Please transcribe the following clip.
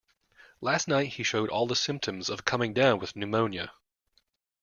Last night he showed all the symptoms of coming down with pneumonia.